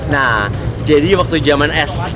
nah jadi waktu jaman s